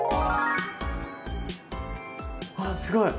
あっすごい！